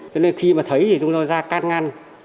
cho nên khi thấy chúng ta ra can ngăn